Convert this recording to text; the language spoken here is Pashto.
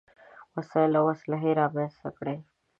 وسايل او اسلحې رامنځته کړې.